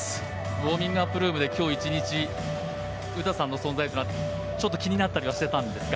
ウォーミングアップルームで今日１日詩さんの存在が気になっていたりはしてたんですか。